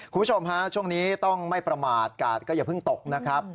คุณผู้ชมฮะช่วงนี้ต้องไม่ประมาทกาดก็อย่าเพิ่งตกนะครับ